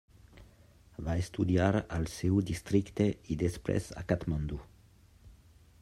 Va estudiar al seu districte i després a Katmandú.